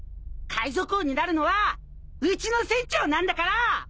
「海賊王になるのはうちの船長なんだから！」